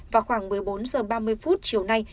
vào khoảng một mươi bốn h ba mươi phút chiều nay